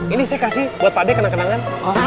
ini saya kasih buat pak deh kenang kenangan